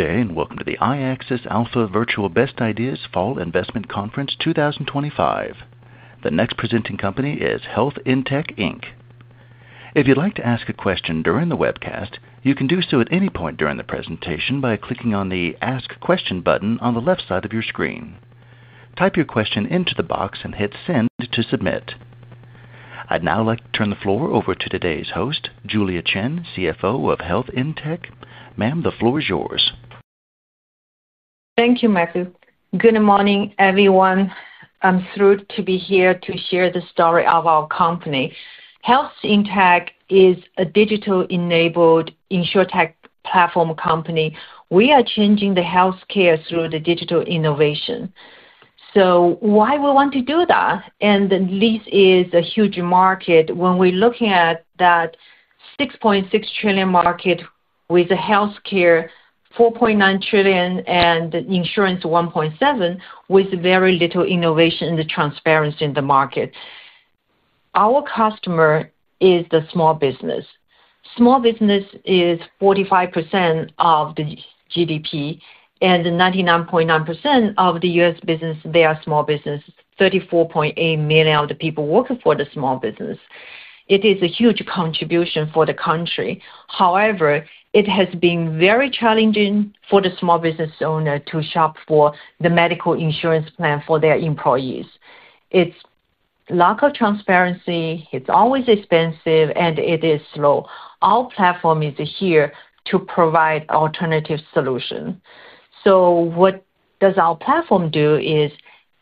Good day and welcome to the iAccess Alpha Virtual Best Ideas Fall Investment Conference 2025. The next presenting company is Health In Tech Inc. If you'd like to ask a question during the webcast, you can do so at any point during the presentation by clicking on the Ask Question button on the left side of your screen. Type your question into the box and hit Send to submit. I'd now like to turn the floor over to today's host, Julia Qian, CFO of Health In Tech. Ma'am, the floor is yours. Thank you, Matthew. Good morning, everyone. I'm thrilled to be here to share the story of our company. Health In Tech is a digitally enabled insurtech platform company. We are changing the healthcare through digital innovation. Why do we want to do that? The lease is a huge market when we're looking at that $6.6 trillion market with healthcare $4.9 trillion and insurance $1.7 trillion, with very little innovation and transparency in the market. Our customer is the small business. Small business is 45% of the GDP and 99.9% of the U.S. business. They are small business. 34.8 million of the people work for the small business. It is a huge contribution for the country. However, it has been very challenging for the small business owner to shop for the medical insurance plan for their employees. It's lack of transparency. It's always expensive and it is slow. Our platform is here to provide alternative solutions. What does our platform do is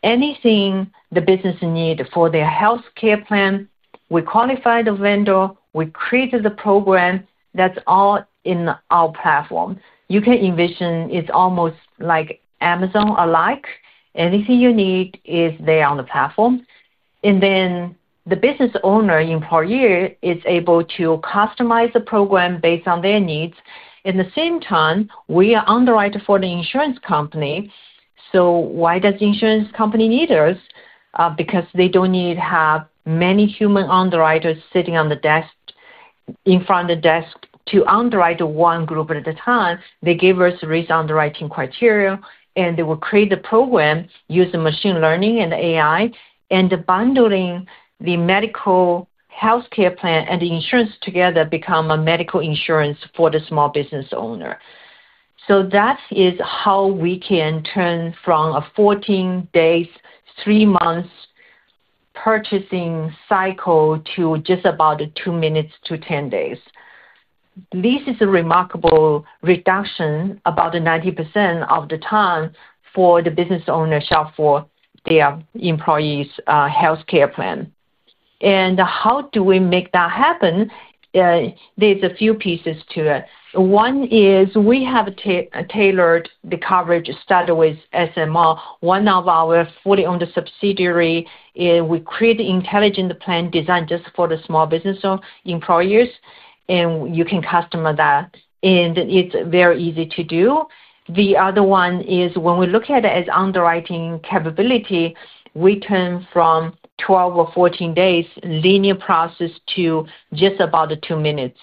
anything the business needs for their healthcare plan. We qualify the vendor. We create the program. That's all in our platform. You can envision it's almost like Amazon-like. Anything you need is there on the platform. The business owner, employee, is able to customize the program based on their needs. At the same time, we are underwriting for the insurance company. Why does the insurance company need us? They don't need to have many human underwriters sitting in front of the desk to underwrite one group at a time. They give us a reasonable underwriting criteria, and they will create the program using machine learning and AI, and bundling the medical healthcare plan and the insurance together to become a medical insurance for the small business owner. That is how we can turn from a 14 days, three months purchasing cycle to just about 2 minutes to 10 days. This is a remarkable reduction, about 90% of the time for the business owner to shop for their employees' healthcare plan. How do we make that happen? There's a few pieces to it. One is we have tailored the coverage starting with SMO. One of our fully owned subsidiaries, we create the intelligent plan designed just for the small business employees, and you can customize that. It's very easy to do. The other one is when we look at it as underwriting capability, we turn from 12 or 14 days linear process to just about 2 minutes.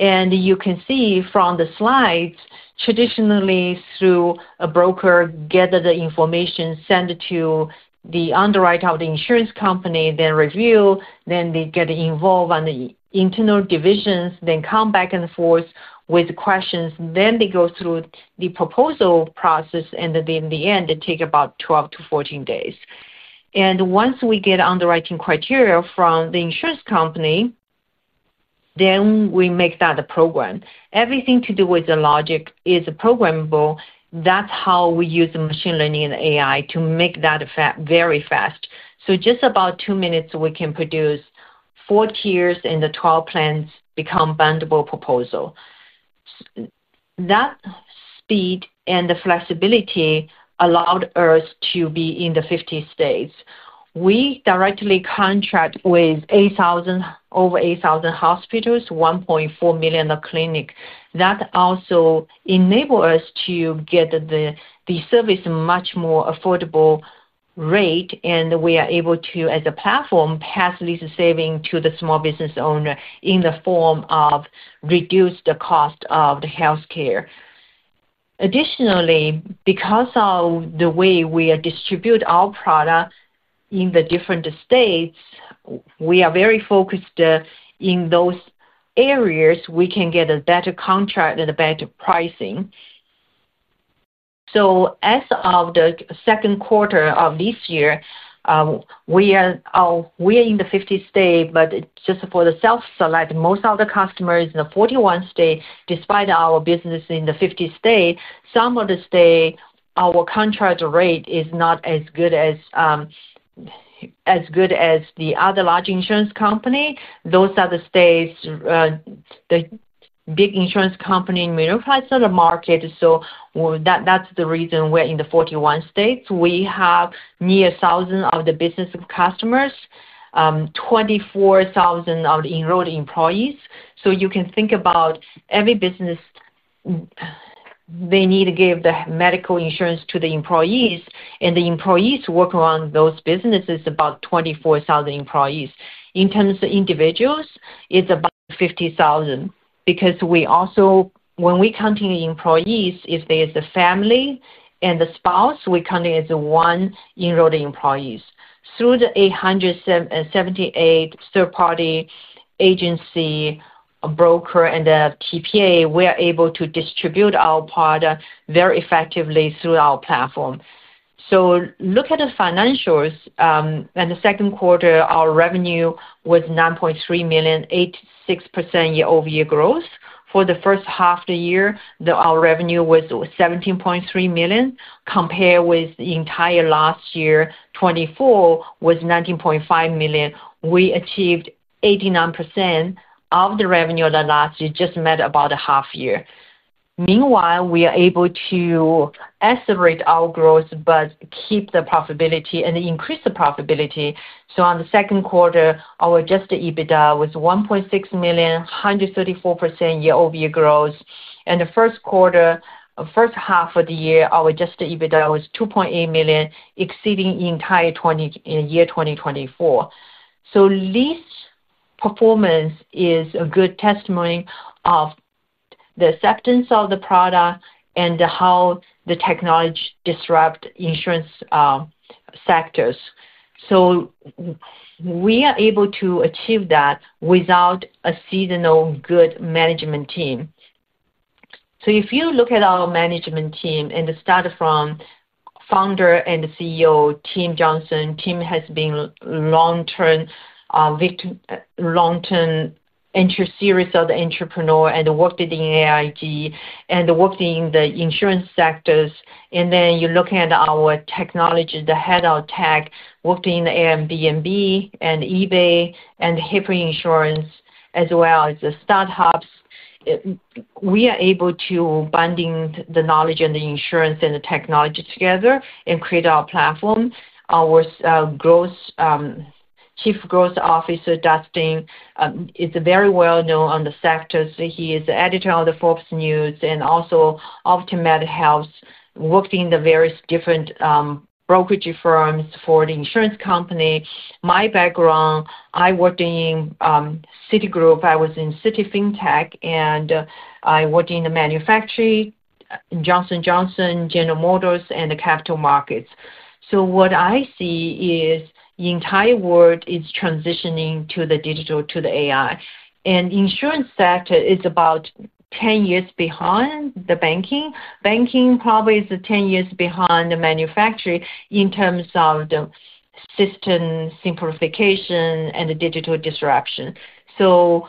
You can see from the slides, traditionally through a broker gathering the information, sending it to the underwriter of the insurance company, then review, then they get involved in the internal divisions, then come back and forth with questions, then they go through the proposal process, and in the end, it takes about 12-14 days. Once we get underwriting criteria from the insurance company, we make that a program. Everything to do with the logic is programmable. That's how we use machine learning and AI to make that very fast. In just about 2 minutes, we can produce four tiers and the 12 plans become a bindable proposal. That speed and the flexibility allowed us to be in the 50 states. We directly contract with over 8,000 hospitals, 1.4 million clinics. That also enables us to get the service at a much more affordable rate, and we are able to, as a platform, pass lease savings to the small business owner in the form of reducing the cost of the healthcare. Additionally, because of the way we distribute our product in the different states, we are very focused in those areas. We can get a better contract and better pricing. As of the second quarter of this year, we are in the 50 states, but just for the self-select, most of the customers in the 41 states, despite our business in the 50 states, some of the states, our contract rate is not as good as the other large insurance companies. Those are the states, the big insurance companies in the middle-price market. That's the reason we're in the 41 states. We have near 1,000 of the business customers, 24,000 of the enrolled employees. You can think about every business, they need to give the medical insurance to the employees, and the employees work around those businesses, about 24,000 employees. In terms of individuals, it's about 50,000 because we also, when we count the employees, if there's a family and a spouse, we count it as one enrolled employee. Through the 878 third-party agency, a broker, and the TPA, we are able to distribute our product very effectively through our platform. Look at the financials. In the second quarter, our revenue was $9.3 million, 86% year-over-year growth. For the first half of the year, our revenue was $17.3 million, compared with the entire last year, 2024, was $19.5 million. We achieved 89% of the revenue of the last year, just met about a half year. Meanwhile, we are able to accelerate our growth but keep the profitability and increase the profitability. In the second quarter, our adjusted EBITDA was $1.6 million, 134% year-over-year growth. In the first quarter, first half of the year, our adjusted EBITDA was $2.8 million, exceeding the entire year 2024. This performance is a good testimony of the acceptance of the product and how the technology disrupts insurance sectors. We are able to achieve that with a seasoned, good management team. If you look at our management team and start from Founder and CEO, Tim Johnson, Tim has been a long-term interested series of the entrepreneurs and worked in AIG and worked in the insurance sectors. Then you're looking at our technology, the Head of Tech, worked in Airbnb and eBay and HIPAA insurance, as well as the startups. We are able to bind the knowledge and the insurance and the technology together and create our platform. Our Chief Growth Officer, Dustin, is very well known in the sector. He is the editor of Forbes News and also Optimed Health, worked in various different brokerage firms for the insurance company. My background, I worked in Citigroup. I was in Citi Fintech, and I worked in manufacturing, Johnson & Johnson, General Motors, and the capital markets. What I see is the entire world is transitioning to the digital, to the AI. The insurance sector is about 10 years behind the banking. Banking probably is 10 years behind the manufacturing in terms of the system simplification and the digital disruption. The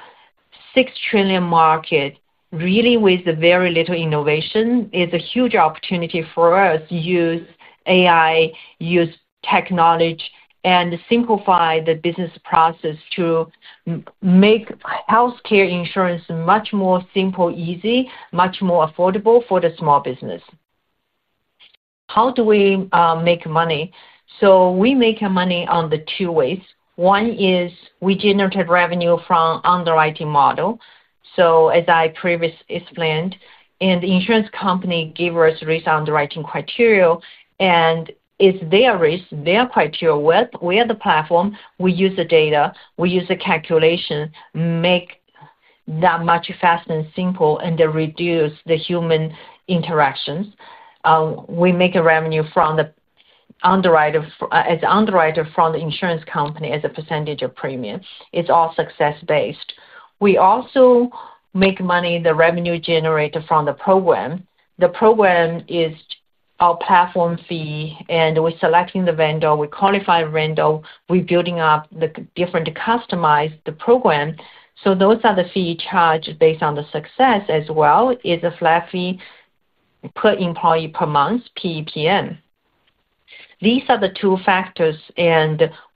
$6 trillion market, really, with very little innovation, is a huge opportunity for us to use AI, use technology, and simplify the business process to make healthcare insurance much more simple, easy, much more affordable for the small business. How do we make money? We make money in two ways. One is we generate revenue from the underwriting model, as I previously explained, and the insurance company gives us risk underwriting criteria. It's their risk, their criteria. We are the platform. We use the data. We use the calculation to make that much faster and simpler and reduce the human interactions. We make revenue from the underwriter as an underwriter from the insurance company as a percentage of premium. It's all success-based. We also make money, the revenue generated from the program. The program is our platform fee, and we're selecting the vendor. We qualify the vendor. We're building up the different customized program. Those are the fees charged based on the success as well. It's a flat fee per employee per month, PPM. These are the two factors.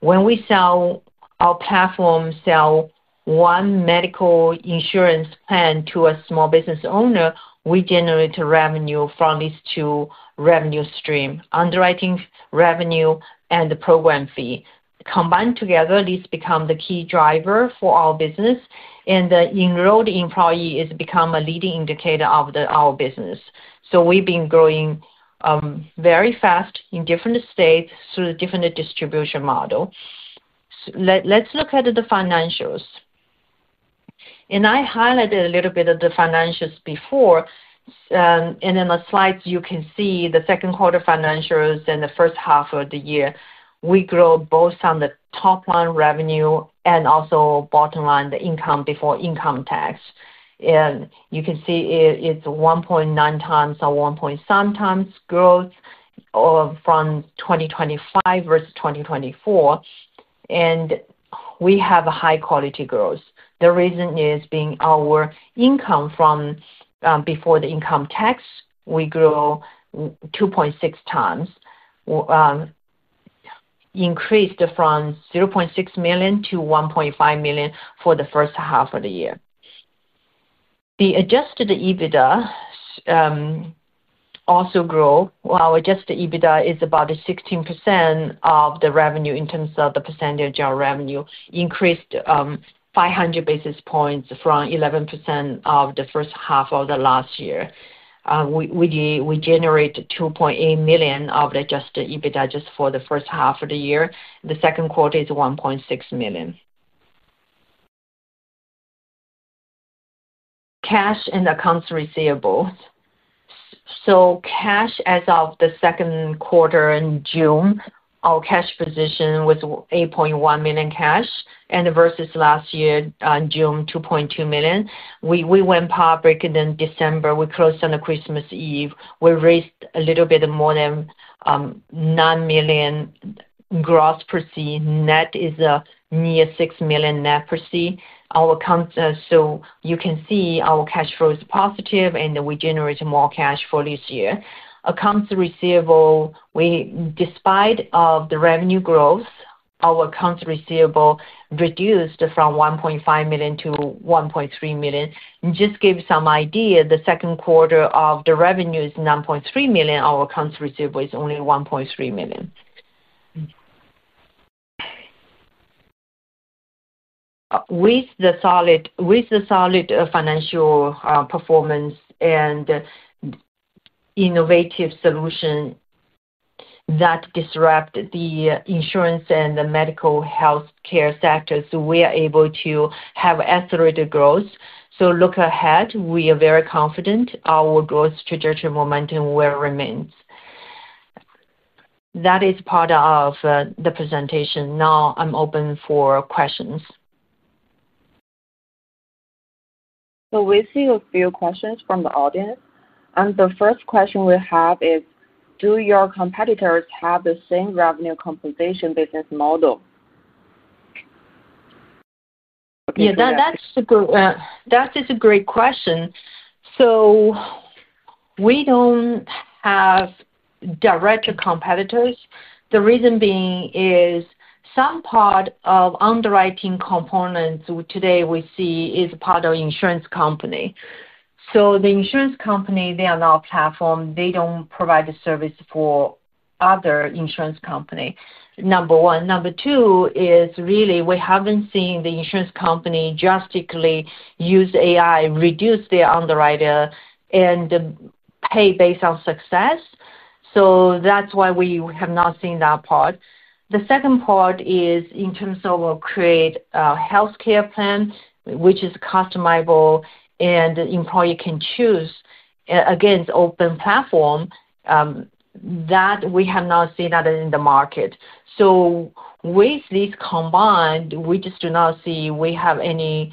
When we sell our platform, sell one medical insurance plan to a small business owner, we generate revenue from these two revenue streams: underwriting revenue and the program fee. Combined together, these become the key drivers for our business. The enrolled employee has become a leading indicator of our business. We've been growing very fast in different states through a different distribution model. Let's look at the financials. I highlighted a little bit of the financials before. In the slides, you can see the second quarter financials and the first half of the year. We grow both on the top line revenue and also bottom line, the income before income tax. You can see it's 1.9x or 1 point some times growth from 2025 versus 2024. We have a high-quality growth. The reason is being our income from before the income tax, we grow 2.6 times, increased from $0.6 million-$1.5 million for the first half of the year. The adjusted EBITDA also grew. Our adjusted EBITDA is about 16% of the revenue in terms of the percentage of revenue, increased 500 basis points from 11% of the first half of the last year. We generate $2.8 million of the adjusted EBITDA just for the first half of the year. The second quarter is $1.6 million. Cash and accounts receivables. Cash as of the second quarter in June, our cash position was $8.1 million cash, and versus last year in June, $2.2 million. We went public in December. We closed on Christmas Eve. We raised a little bit more than $9 million gross per seat. Net is near $6 million net per seat. You can see our cash flow is positive, and we generate more cash flow this year. Accounts receivable, despite the revenue growth, our accounts receivable reduced from $1.5 million-$1.3 million. Just to give you some idea, the second quarter of the revenue is $9.3 million. Our accounts receivable is only $1.3 million. With the solid financial performance and innovative solutions that disrupt the insurance and the medical healthcare sectors, we are able to have accelerated growth. Looking ahead, we are very confident our growth trajectory momentum will remain. That is part of the presentation. Now I'm open for questions. We're seeing a few questions from the audience. The first question we have is, do your competitors have the same revenue compensation business model? Yeah, that's just a great question. We don't have direct competitors. The reason being is some part of underwriting components today we see is part of the insurance company. The insurance company, they are not a platform. They don't provide the service for other insurance companies, number one. Number two is really we haven't seen the insurance company drastically use AI, reduce their underwriter, and pay based on success. That's why we have not seen that part. The second part is in terms of creating a healthcare plan, which is customizable and the employee can choose against an open platform. We have not seen that in the market. With this combined, we just do not see we have any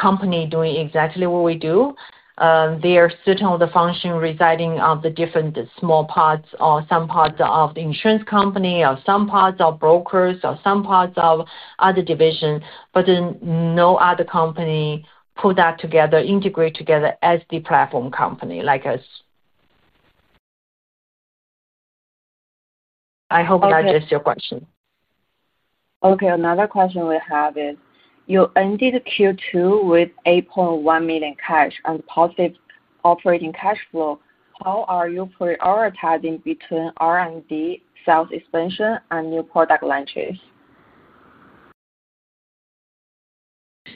company doing exactly what we do. There are certain other functions residing on the different small parts or some parts of the insurance company or some parts of brokers or some parts of other divisions, but no other company put that together, integrate together as the platform company like us. I hope that addressed your question. Okay. Another question we have is, you ended Q2 with $8.1 million cash and positive operating cash flow. How are you prioritizing between R&D, self-expansion, and new product launches?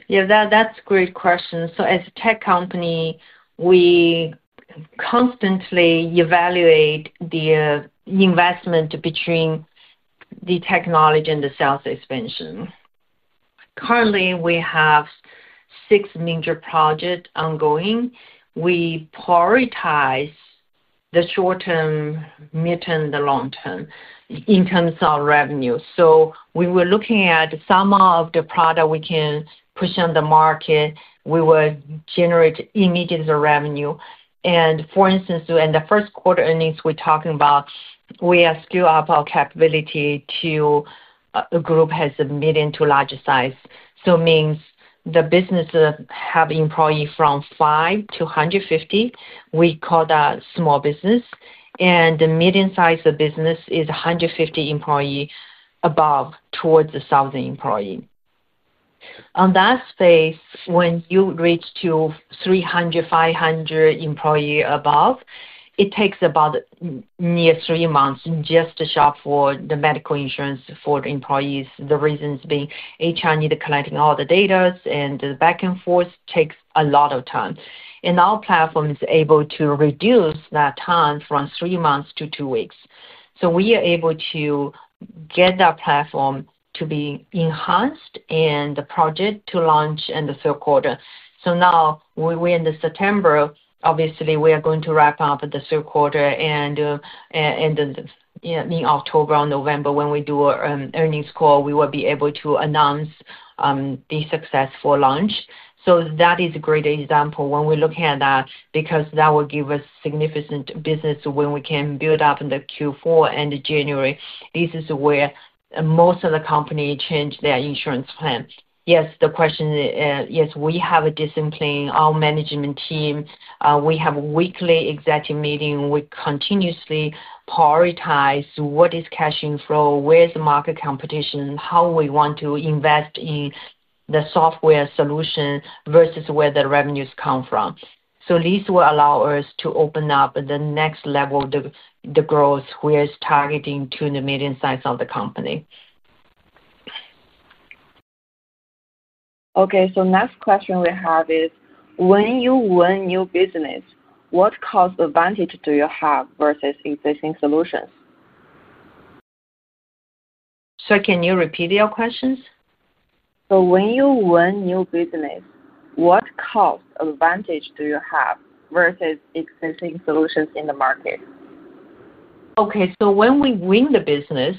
Yeah, that's a great question. As a tech company, we constantly evaluate the investment between the technology and the self-expansion. Currently, we have six major projects ongoing. We prioritize the short term, mid term, and the long term in terms of revenue. We were looking at some of the products we can push on the market. We would generate immediate revenue. For instance, in the first quarter earnings we're talking about, we are scaling up our capability to a group that has a medium to large size. It means the businesses have employees from 5-150. We call that small business. The medium size of the business is 150 employees above towards 1,000 employees. In that space, when you reach to 300-500 employees above, it takes about near three months just to shop for the medical insurance for the employees. The reason is HR needs to collect all the data, and the back and forth takes a lot of time. Our platform is able to reduce that time from three months to two weeks. We are able to get that platform to be enhanced and the project to launch in the third quarter. Now we're in September. Obviously, we are going to wrap up the third quarter. In October or November, when we do an earnings call, we will be able to announce the successful launch. That is a great example when we're looking at that because that will give us significant business when we can build up in Q4 and January. This is where most of the companies change their insurance plan. Yes, the question is, yes, we have a discipline, our management team. We have a weekly executive meeting. We continuously prioritize what is cash inflow, where is the market competition, how we want to invest in the software solution versus where the revenues come from. This will allow us to open up the next level of the growth, where it's targeting to the medium size of the company. Okay. Next question we have is, when you run a new business, what cost advantage do you have versus existing solutions? Sorry, can you repeat your questions? When you run a new business, what cost advantage do you have versus existing solutions in the market? Okay. When we win the business,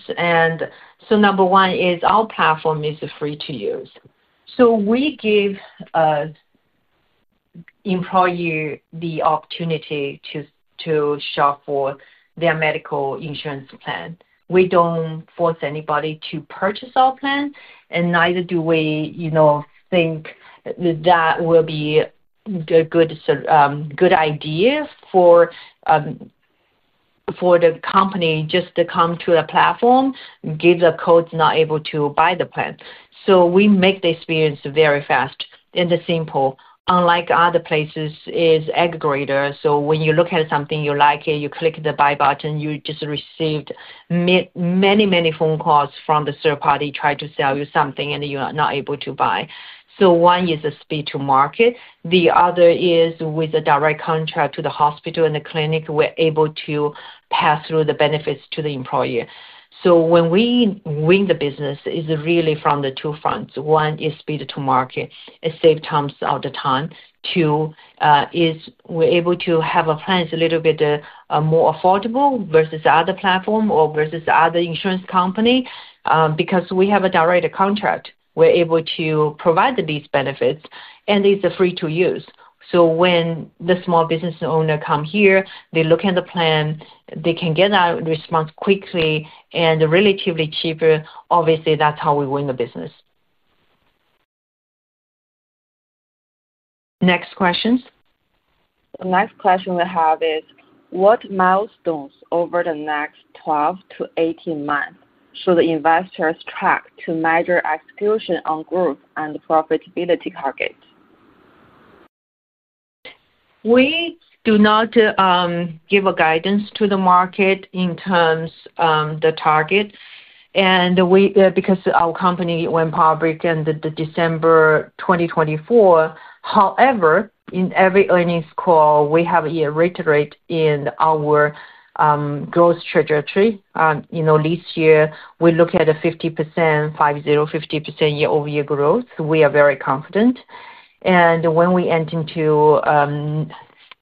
number one is our platform is free to use. We give employees the opportunity to shop for their medical insurance plan. We don't force anybody to purchase our plan, and neither do we think that that will be a good idea for the company just to come to the platform, give the codes, not able to buy the plan. We make the experience very fast and simple. Unlike other places, it's aggregator. When you look at something, you like it, you click the buy button, you just receive many, many phone calls from the third party trying to sell you something, and you are not able to buy. One is the speed to market. The other is with a direct contract to the hospital and the clinic, we're able to pass through the benefits to the employee. When we win the business, it's really from the two fronts. One is speed to market and save tons of the time. Two, we're able to have our plans a little bit more affordable versus the other platform or versus the other insurance company because we have a direct contract. We're able to provide these benefits, and it's free to use. When the small business owner comes here, they look at the plan, they can get that response quickly and relatively cheaper. Obviously, that's how we win the business. Next questions? The next question we have is, what milestones over the next 12 to 18 months should investors track to measure execution on growth and profitability targets? We do not give a guidance to the market in terms of the target, because our company went public in December 2024. However, in every earnings call, we have a rate in our growth trajectory. This year, we look at 50%, 50, 50% year-over-year growth. We are very confident. When we enter into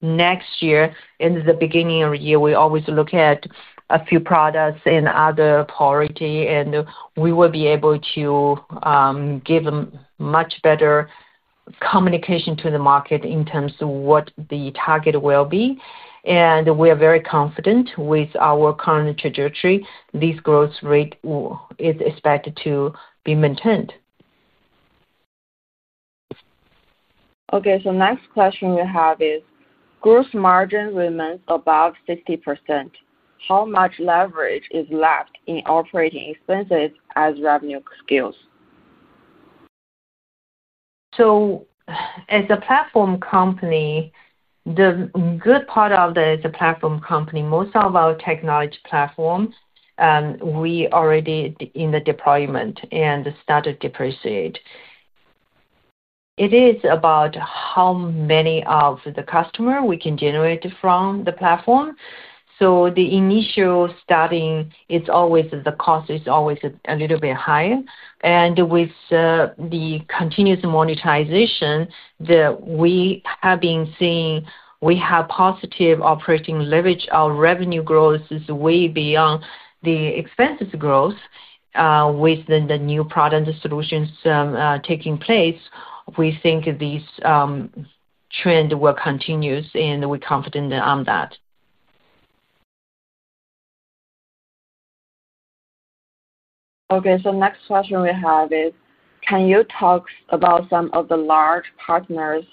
next year, in the beginning of the year, we always look at a few products and other priorities, and we will be able to give a much better communication to the market in terms of what the target will be. We are very confident with our current trajectory. This growth rate is expected to be maintained. Okay. Next question we have is, gross margin remains above 60%. How much leverage is left in operating expenses as revenue escalates? As a platform company, the good part of that is a platform company, most of our technology platforms, we are already in the deployment and started to depreciate. It is about how many of the customers we can generate from the platform. The initial starting, it's always the cost is always a little bit higher. With the continuous monetization that we have been seeing, we have positive operating leverage. Our revenue growth is way beyond the expenses growth. With the new product and solutions taking place, we think this trend will continue, and we're confident on that. Okay. Next question we have is, can you talk about some of the large partners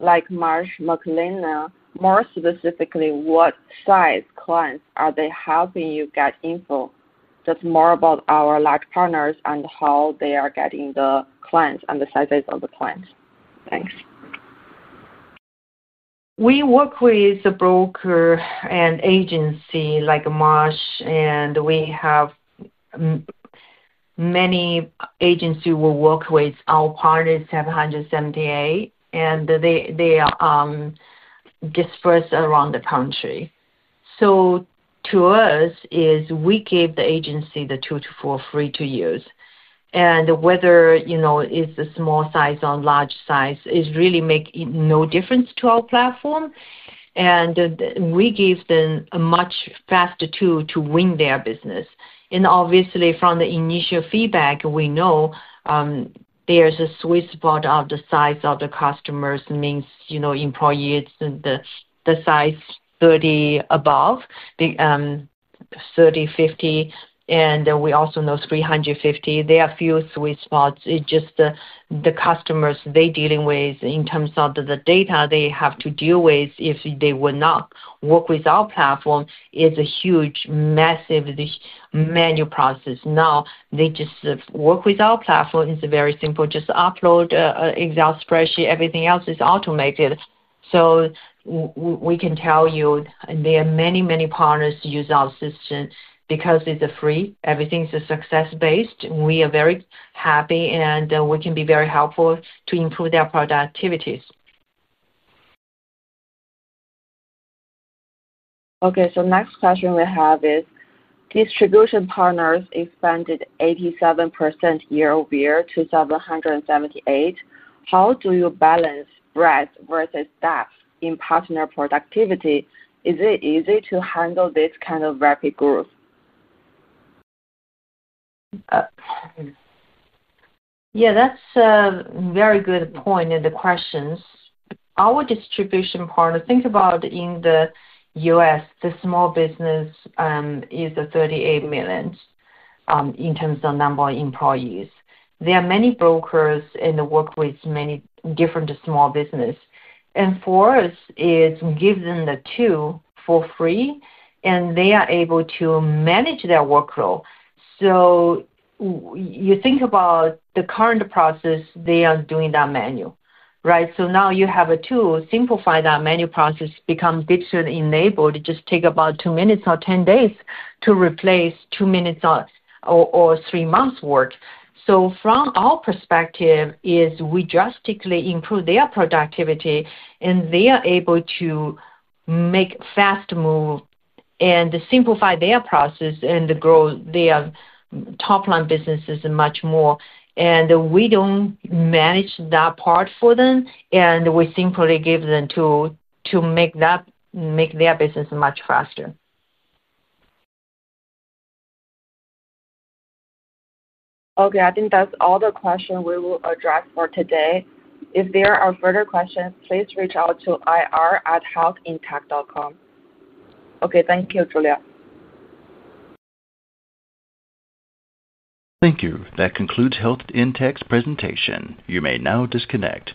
like Marsh McLennan? More specifically, what size clients are they helping you get in for? Just more about our large partners and how they are getting the clients and the sizes of the clients. Thanks. We work with a broker and agency like Marsh, and we have many agencies who work with our partners, 778, and they are dispersed around the country. To us, we give the agency the tool to free to use. Whether you know it's a small size or a large size, it really makes no difference to our platform. We give them a much faster tool to win their business. Obviously, from the initial feedback, we know there's a sweet spot of the size of the customers. It means employees, the size 30 above, 30, 50. We also know 350. There are a few sweet spots. It's just the customers they're dealing with in terms of the data they have to deal with. If they would not work with our platform, it's a huge, massive manual process. Now, they just work with our platform. It's very simple. Just upload an Excel spreadsheet. Everything else is automated. We can tell you there are many, many partners who use our system because it's free. Everything is success-based. We are very happy, and we can be very helpful to improve their productivities. Okay. Next question we have is, distribution partners expanded 87% year-over-year to 778. How do you balance breadth versus depth in partner productivity? Is it easy to handle this kind of rapid growth? Yeah, that's a very good point in the questions. Our distribution partner, think about in the U.S., the small business is 38 million in terms of number of employees. There are many brokers and work with many different small businesses. For us, it gives them the tool for free, and they are able to manage their workflow. You think about the current process, they are doing that manually, right? Now you have a tool to simplify that manual process to become digitally enabled. It just takes about 2 minutes or 10 days to replace 2 minutes or 3 months' work. From our perspective, we drastically improve their productivity, and they are able to make fast moves and simplify their process and grow their top-line businesses much more. We don't manage that part for them, and we simply give them a tool to make their business much faster. Okay. I think that's all the questions we will address for today. If there are further questions, please reach out to ir@healthintech.com. Okay. Thank you, Julia. Thank you. That concludes Health In Tech's presentation. You may now disconnect.